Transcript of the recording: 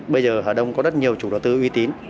bây giờ hà đông có rất nhiều chủ đầu tư uy tín